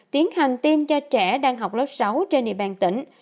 tiến hành tiêm cho trẻ đang học lớp sáu trên địa bàn tỉnh